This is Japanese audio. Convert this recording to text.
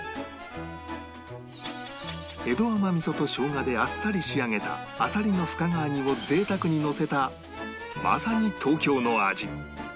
江戸甘味噌と生姜であっさり仕上げたあさりの深川煮を贅沢にのせたまさに東京の味